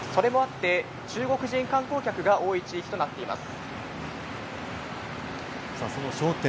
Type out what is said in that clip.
それもあって中国人観光客が多い地域となっています。